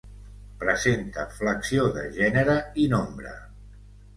Presenta flexió de gènere i nombre.